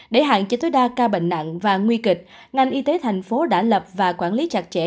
để hạn chế tối đa ca bệnh nặng và nguy kịch ngành y tế thành phố đã lập và quản lý chặt chẽ